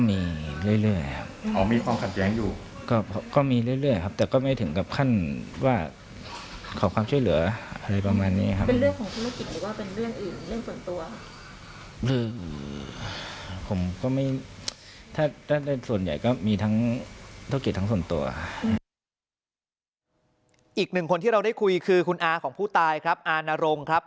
อีกหนึ่งคนที่เราได้คุยคือคุณอาของผู้ตายครับอานรงครับ